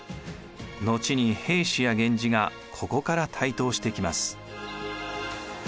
後に平氏や源氏がここから台頭してきます。